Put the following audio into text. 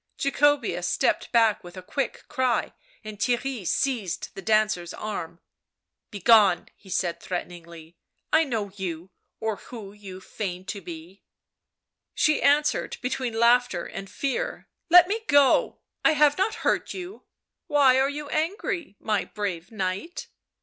Jacobea stepped back with a quick cry, and Theirry seized the dancer's arm. " Begone," he said threateningly. " I know you, or who you feign to be." She answered between laughter and fear. " Let me go — I have not hurt you ; why are you angry, my brave knight?"